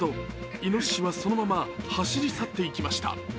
いのししはそのまま走り去っていきました。